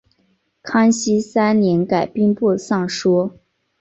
康熙三年改兵部尚书。